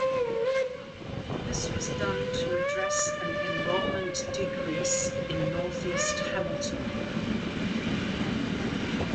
This was done to address an enrollment decrease in Northeast Hamilton.